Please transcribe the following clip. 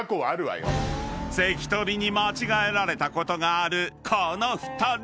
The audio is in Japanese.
［関取に間違えられたことがあるこの２人］